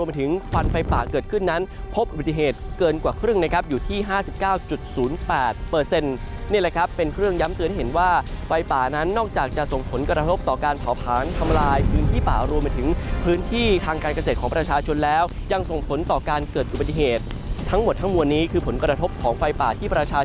บินเหตุเกินกว่าครึ่งนะครับอยู่ที่ห้าสิบเก้าจุดศูนย์แปดเปอร์เซ็นต์นี่แหละครับเป็นเครื่องย้ำเตือนเห็นว่าไฟป่านั้นนอกจากจะส่งผลกระทบต่อการเผาผลาญทำลายพื้นที่ป่ารวมไปถึงพื้นที่ทางการเกษตรของประชาชนแล้วยังส่งผลต่อการเกิดบินเหตุทั้งหมดทั้งมวลนี้คือผลกระทบของไฟป่าที่ป